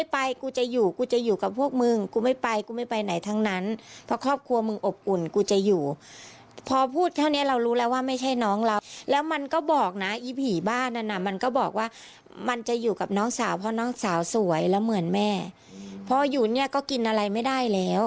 ไปกูไม่ไปไหนทั้งนั้นเพราะครอบครัวมึงอบอุ่นกูจะอยู่พอพูดเท่านี้เรารู้แล้วว่าไม่ใช่น้องเราแล้วมันก็บอกนะอีผีบ้านะมันก็บอกว่ามันจะอยู่กับน้องสาวเพราะน้องสาวสวยแล้วเหมือนแม่พออยู่เนี่ยก็กินอะไรไม่ได้แล้ว